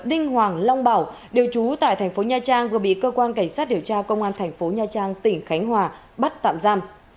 điều trú tại thành phố nha trang vừa bị cơ quan cảnh sát điều tra công an thành phố nha trang tỉnh khánh hòa bắt tạm giam